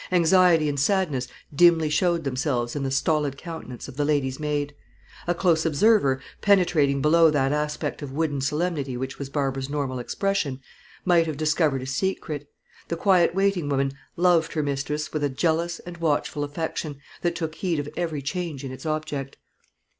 Anxiety and sadness dimly showed themselves in the stolid countenance of the lady's maid. A close observer, penetrating below that aspect of wooden solemnity which was Barbara's normal expression, might have discovered a secret: the quiet waiting woman loved her mistress with a jealous and watchful affection, that took heed of every change in its object.